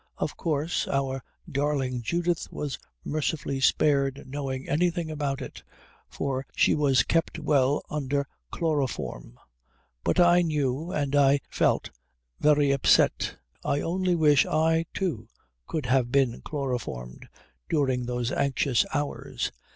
Of course our darling Judith was mercifully spared knowing anything about it, for she was kept well under chloroform, but I knew and I feel very upset. I only wish I, too, could have been chloroformed during those anxious hours.